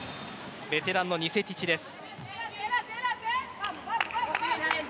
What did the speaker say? ベテランのニセティチです。